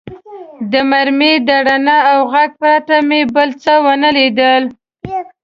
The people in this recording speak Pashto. د مرمۍ د رڼا او غږ پرته مې بل څه و نه لیدل.